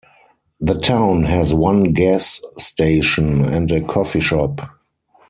The town has one gas station, and a coffee shop.